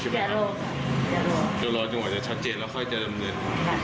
แม่เชื่อว่าต้องมีเหตุให้เกิดขึ้น